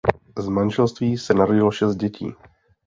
Z manželství se narodilo šest dětí.